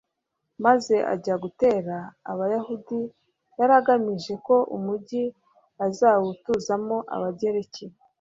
maze ajya gutera abayahudi. yari agamije ko umugi azawutuzamo abagereki